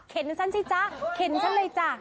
เข็นฉันสิจ้าเข็นฉันเลยจ้า